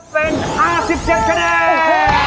เป็น๕๗ขนาด